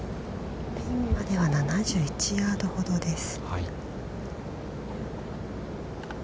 ◆ピンまでは７１ヤードほどです。